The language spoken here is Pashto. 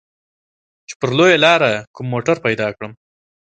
چې پر لويه لاره کوم موټر پيدا کړم.